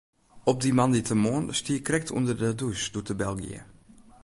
Op dy moandeitemoarn stie ik krekt ûnder de dûs doe't de bel gie.